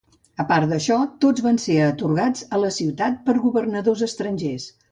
A part d'això, tots van ser atorgats a la ciutat per governadors estrangers.